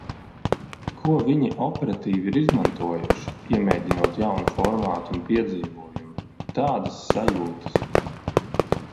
Ko viņi operatīvi ir izmantojuši, iemēģinot jaunu formātu un piedzīvojumu. Tādas sajūtas.